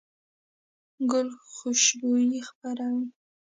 ګل خوشبويي خپروي.